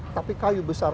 tapi kayu besar